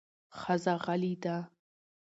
ښځه غلې ده